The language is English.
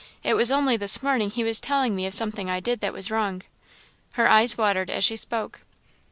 It was only this morning he was telling me of something I did that was wrong." Her eyes watered as she spoke.